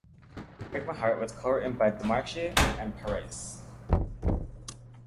"Break My Heart" was co-written by DeMarchi and Parise.